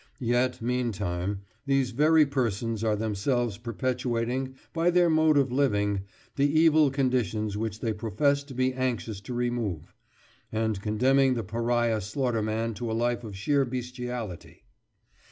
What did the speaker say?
Yet, meantime, these very persons are themselves perpetuating, by their mode of living, the evil conditions which they profess to be anxious to remove, and condemning the pariah slaughterman to a life of sheer bestiality.